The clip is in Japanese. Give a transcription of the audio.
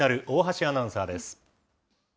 大橋アナウンサーです。